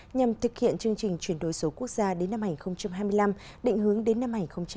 nhằm thực hiện chương trình chuyển đổi số quốc gia đến năm hai nghìn hai mươi năm định hướng đến năm hai nghìn ba mươi